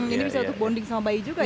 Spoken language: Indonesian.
ini bisa untuk bonding sama bayi juga ya